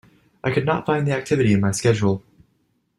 I could not find the activity in my Schedule.